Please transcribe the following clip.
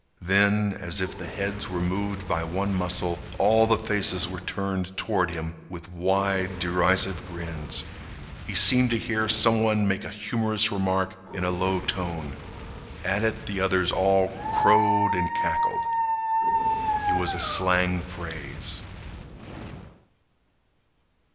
Then, as if the heads were moved by one muscle, all the faces were turned toward him with wide, derisive grins. He seemed to hear some one make a humorous remark in a low tone. At it the others all crowed and cackled. He was a slang phrase.